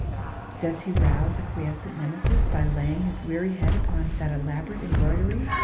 Does he rouse a quiescent Nemesis by laying his weary head upon that elaborate embroidery?